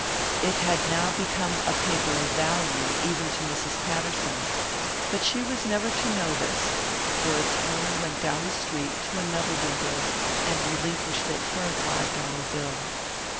It had now become a paper of value, even to Mrs. Patterson; but she was never to know this, for its owner went down the street to another window and relinquished it for a five dollar bill.